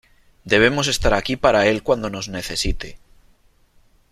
Debemos estar aquí para él cuando nos necesite .